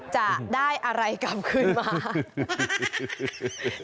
จะได้อะไรกลับขึ้นมา